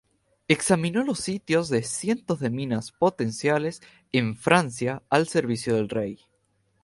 Examinó los sitios de cientos de minas potenciales en Francia al servicio del rey.